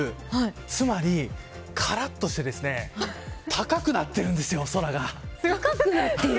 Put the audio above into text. つまり、からっとして高くなっているんですよ、空が。